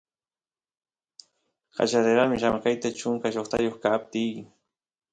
qallarerani llamkayta chunka shoqtayoq kaptiy